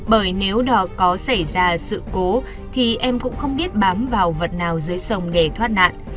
bởi nếu có xảy ra sự cố thì em cũng không biết bám vào vật nào dưới sông để thoát nạn